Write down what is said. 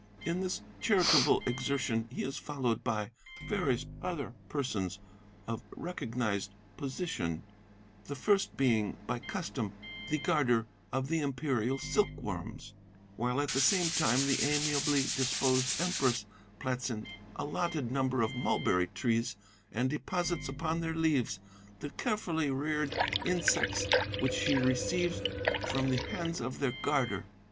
In this charitable exertion he is followed by various other persons of recognized position, the first being, by custom, the Guarder of the Imperial Silkworms, while at the same time the amiably disposed Empress plants an allotted number of mulberry trees, and deposits upon their leaves the carefully reared insects which she receives from the hands of their Guarder.